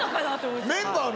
メンバーの？